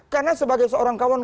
karena sebagai seorang kawan